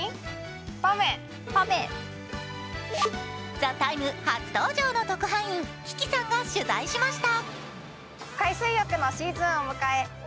「ＴＨＥＴＩＭＥ，」初登場の特派員・ききさんが取材しました。